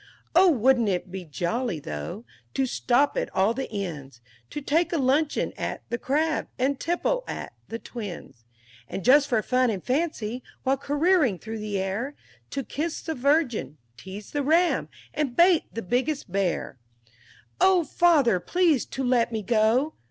VI "Oh wouldn't it be jolly, though, to stop at all the inns; To take a luncheon at 'The Crab,' and tipple at 'The Twins'; And, just for fun and fancy, while careering through the air, To kiss the Virgin, tease the Ram, and bait the biggest Bear? VII "O father, please to let me go!"